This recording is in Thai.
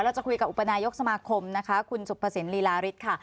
เราจะคุยกับอุปกรณายกสมาครคุณสุพพเศษนีลาริสค่ะ